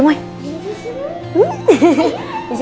ada apa ya thot